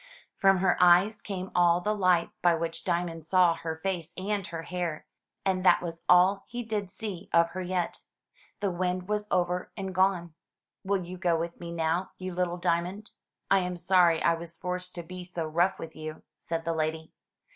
From her eyes came all the light by which Diamond saw her face and her hair; and that was all he did see of her yet. The wind was over and gone. "Will you go with me now, you little Diamond? I am sorry I was forced to be so rough with you," said the lady.